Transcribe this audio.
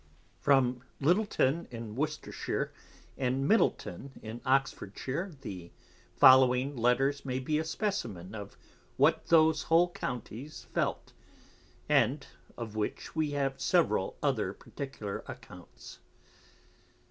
From Littleton in Worcestershire, and Middleton in Oxfordshire, _the following Letters may be a Specimen of what those whole Counties felt, and of which we have several other particular Accounts.